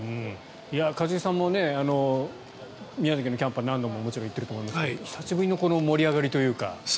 一茂さんも宮崎のキャンプはもちろん何度も行っていると思いますが久しぶりのこの盛り上がりというか。